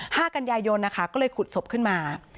ห้ากันยายนนะคะก็เลยขุดศพขึ้นมา